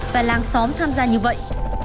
và làng xóm tham gia như vậy